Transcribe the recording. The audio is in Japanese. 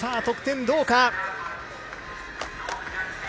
得点、どうか。